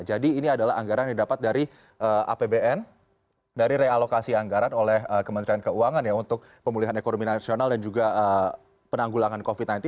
ini adalah anggaran yang didapat dari apbn dari realokasi anggaran oleh kementerian keuangan ya untuk pemulihan ekonomi nasional dan juga penanggulangan covid sembilan belas